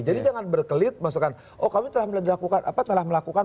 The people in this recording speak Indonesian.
jadi jangan berkelit oh kami telah melakukan